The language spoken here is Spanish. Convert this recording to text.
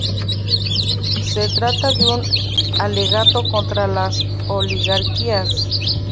Se trata de un alegato contra las oligarquías.